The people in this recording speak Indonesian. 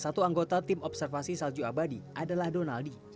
satu anggota tim observasi salju abadi adalah donaldi